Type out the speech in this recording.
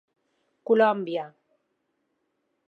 Colòmbia.